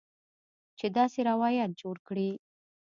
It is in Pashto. چې داسې روایت جوړ کړي